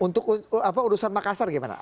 untuk urusan makassar gimana